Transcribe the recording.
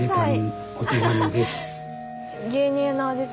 はい。